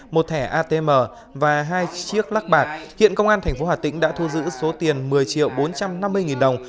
một thẻ atm và hai chiếc lắc bạc hiện công an tp hà tĩnh đã thu giữ số tiền một mươi triệu bốn trăm năm mươi nghìn đồng